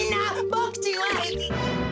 ボクちんは。